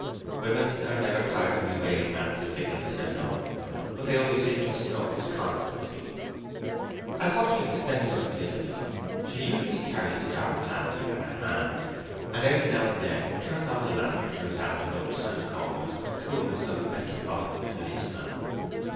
Women are never tired of bewailing man's fickleness in love, but they only seem to snub his constancy. As watching is best done invisibly, she usually carried a dark lantern in her hand, and every now and then turned on the light to examine nooks and corners with the coolness of a metropolitan policeman.